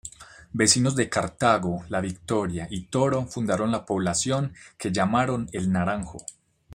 Vecinos de Cartago, La Victoria y Toro fundaron la población, que llamaron El Naranjo.